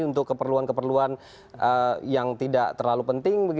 untuk keperluan keperluan yang tidak terlalu penting